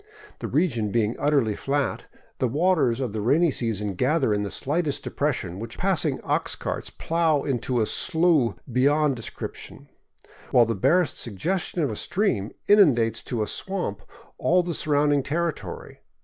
The region being utterly flat, the waters of the rainy season gather in the slightest depression, which passing ox carts plough into a slough beyond de scription ; while the barest suggestion of a stream inundates to a swamp all the surrounding territory.